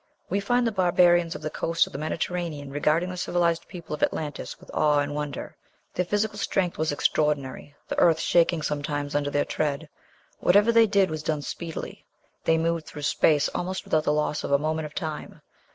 We find the barbarians of the coast of the Mediterranean regarding the civilized people of Atlantis with awe and wonder: "Their physical strength was extraordinary, the earth shaking sometimes under their tread. Whatever they did was done speedily. They moved through space almost without the loss of a moment of time."